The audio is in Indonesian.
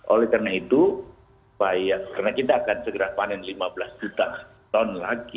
oleh karena itu karena kita akan segera panen lima belas juta ton lagi